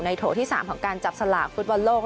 โถที่๓ของการจับสลากฟุตบอลโลก